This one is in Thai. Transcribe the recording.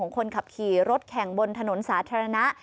คนขับขี่รถแข่งบนถนนสาธารณะ